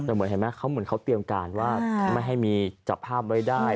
แต่เหมือนเห็นไหมเขาเหมือนเขาเตรียมการว่าไม่ให้มีจับภาพไว้ได้